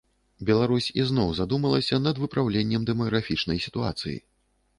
Беларусь ізноў задумалася над выпраўленнем дэмаграфічнай сітуацыі.